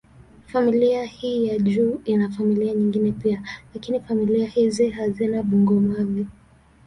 Familia hii ya juu ina familia nyingine pia, lakini familia hizi hazina bungo-mavi.